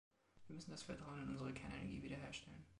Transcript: Wir müssen das Vertrauen in unsere Kernenergie wiederherstellen.